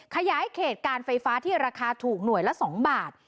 ขยายเขตการไฟฟ้าที่ราคาถูกหน่วยละ๒บาท